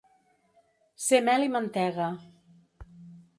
Ser mel i mantega.